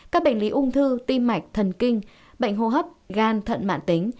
các bệnh lý ung thư tim mạch thần kinh bệnh hô hấp gan thận mạng tính